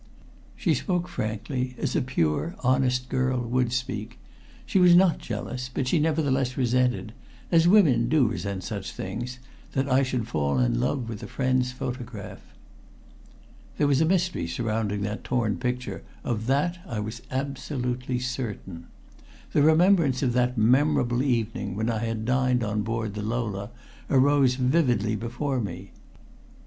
She spoke frankly, as a pure honest girl would speak. She was not jealous, but she nevertheless resented as women do resent such things that I should fall in love with a friend's photograph. There was a mystery surrounding that torn picture; of that I was absolutely certain. The remembrance of that memorable evening when I had dined on board the Lola arose vividly before me.